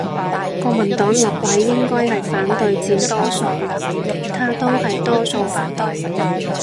國民黨立委應該係反對佔多數，藍營其他都係多數反對